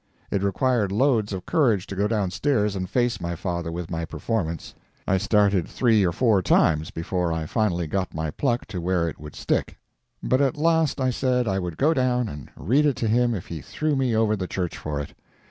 It required loads of courage to go downstairs and face my father with my performance. I started three or four times before I finally got my pluck to where it would stick. But at last I said I would go down and read it to him if he threw me over the church for it.